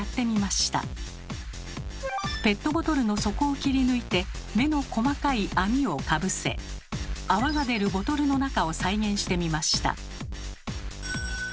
ペットボトルの底を切り抜いて目の細かい網をかぶせ泡が出るボトルの中を再現してみました。